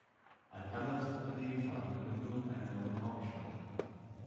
Ein anderes Problem war die Gründung einer neuen Hauptstadt.